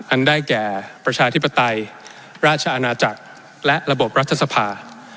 อันได้แก่ประชาธิปไตยราชอาณาจักรและระบบรัฐสภา